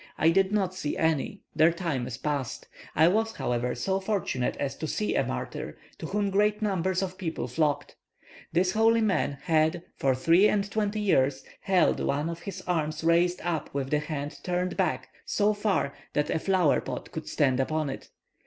I did not see any; their time is past. I was, however, so fortunate as to see a martyr, to whom great numbers of people flocked. This holy man had, for three and twenty years, held one of his arms raised up with the hand turned back so far that a flower pot could stand upon it.